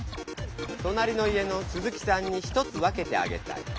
となりの家のスズキさんに１つ分けてあげたい。